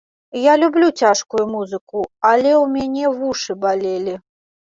Я люблю цяжкую музыку, але ў мяне вушы балелі.